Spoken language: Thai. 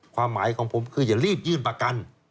ความหมายของผมคืออย่ารีบยื่นประกัน